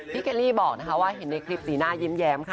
พี่เกลลี่บอกว่าเห็นในคลิปสีหน้ายิ้มแยม